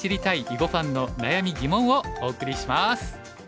囲碁ファンの悩み、疑問」をお送りします。